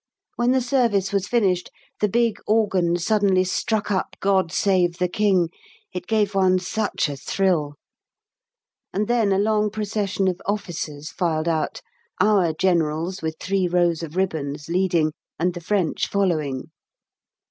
When the service was finished the big organ suddenly struck up "God Save the King"; it gave one such a thrill. And then a long procession of officers filed out, our generals with three rows of ribbons leading, and the French following.